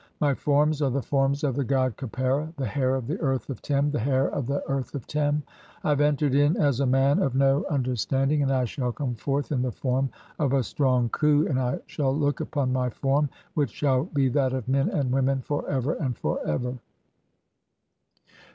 My forms are the forms of the "god Khepera, the hair of the earth of Tem, the hair of the "earth of Tem. (22) I have entered in as a man of no under standing, and I shall come forth in the form of a strong Khu, "and I shall look upon my form which shall be that of men "and women for ever and for ever."